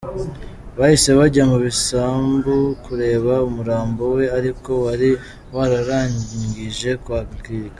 Bahise bajya mu bisambu kureba umurambo we ariko wari wararangije kwangirika.